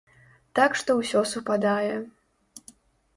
Так што ўсё супадае.